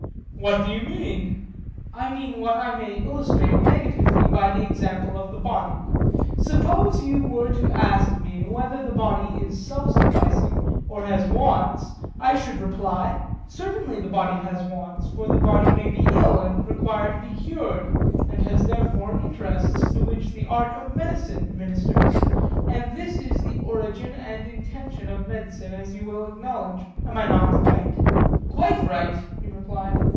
What do you mean? I mean what I may illustrate negatively by the example of the body. Suppose you were to ask me whether the body is self sufficing or has wants, I should reply: Certainly the body has wants; for the body may be ill and require to be cured, and has therefore interests to which the art of medicine ministers; and this is the origin and intention of medicine, as you will acknowledge. Am I not right? Quite right, he replied.